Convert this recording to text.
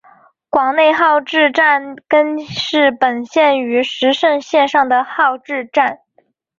广内号志站根室本线与石胜线上的号志站。